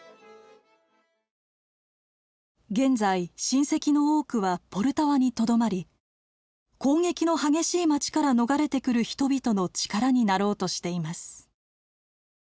現在親戚の多くはポルタワにとどまり攻撃の激しい街から逃れてくる人々の力になろうとしています。